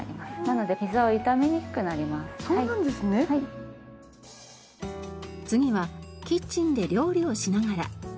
次はキッチンで料理をしながら。